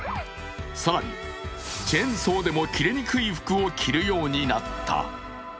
更にチェーンソーでも切れにくい服を着るようになった。